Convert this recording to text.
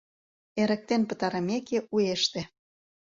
Эрыктен пытарымеке, уэште: